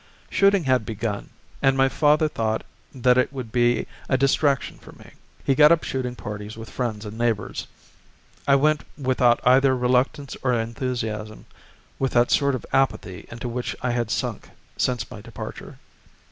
Shooting had begun, and my father thought that it would be a distraction for me. He got up shooting parties with friends and neighbours. I went without either reluctance or enthusiasm, with that sort of apathy into which I had sunk since my departure.